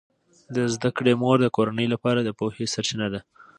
د زده کړې مور د کورنۍ لپاره د پوهې سرچینه ده.